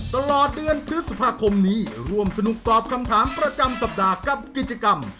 ตลอดเดือนพฤษภาคมนี้ร่วมสนุกตอบคำถามประจำสัปดาห์กับกิจกรรม